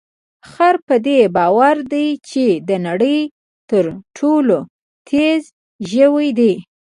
خره په دې باور دی چې د نړۍ تر ټولو تېز ژوی دی.